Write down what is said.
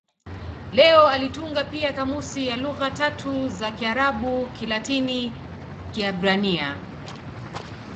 Leo alitunga pia kamusi ya lugha tatu za Kiarabu-Kilatini-Kiebrania.